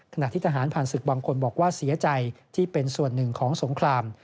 ขณะที่ทหารผ่านศึกบางคนบอกว่าเสียใจที่เป็นส่วนหนึ่งของสงคราม